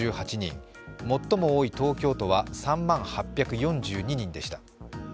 最も多い東京都は３万８４２人でした。